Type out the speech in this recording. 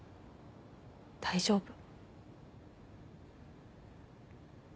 大丈夫。